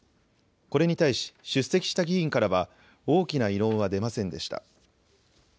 これに対し、出席した議員からは、大きな異論は出ませんでした。